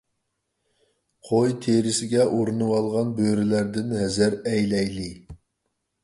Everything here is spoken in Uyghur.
قوي تېرىسىگە ئورىنىۋالغان بۆرىلەردىن ھەزەر ئەيلەيلى.